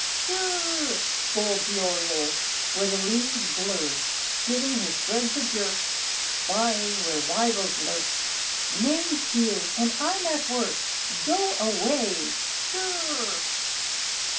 "Tshirr!" scolds the oriole Where the leaves blur, Giving her threads a jerk, Spying where rivals lurk, "May's here, and I'm at work. Go away, tshirr!"